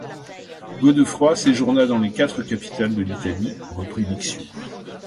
Godefroid séjourna dans les quatre capitales de l’Italie, reprit Bixiou.